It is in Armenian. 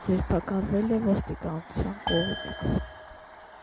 Ձերբակալվել է ոստիկանության կողմից։